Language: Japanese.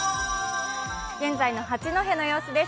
現在の八戸の様子です。